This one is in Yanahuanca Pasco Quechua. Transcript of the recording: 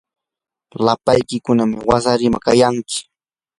lapaykiykuna wasariman kayanki.